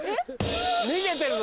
逃げてるぞ。